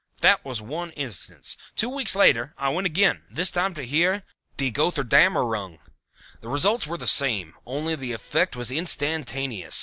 That was one instance. Two weeks later I went again, this time to hear Die Goetherdammerung. The results were the same, only the effect was instantaneous.